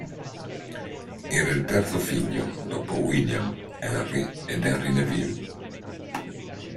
Era il terzo figlio, dopo William Henry ed Henry Neville.